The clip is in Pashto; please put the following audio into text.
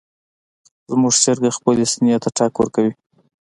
زموږ چرګه خپلې سینې ته ټک ورکوي.